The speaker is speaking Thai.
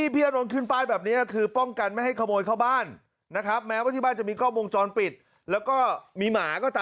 ป้ายนี้แปลกนี่ไหมโอ้โห